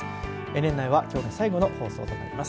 年内はきょうが最後の放送となります。